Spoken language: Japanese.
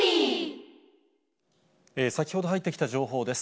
先ほど入ってきた情報です。